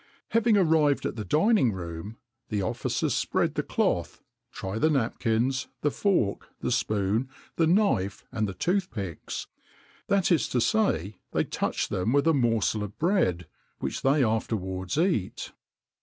Having arrived at the dining room, the officers spread the cloth, try the napkins, the fork, the spoon, the knife, and the tooth picks; that is to say, they touch them with a morsel of bread, which they afterwards eat.